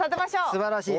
すばらしい。